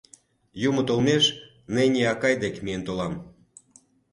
Юмо толмеш Нени акай дек миен толам...